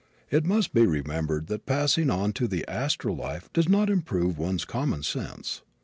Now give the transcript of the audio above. It must be remembered that passing on to the astral life does not improve one's common sense.